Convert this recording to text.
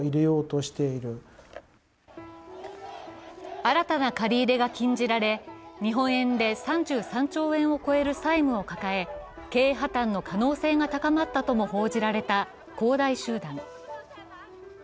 新たな借り入れが禁じられ、日本円で３３兆円を超える債務を抱え経営破綻の可能性が高まったとも報じられた恒大集団。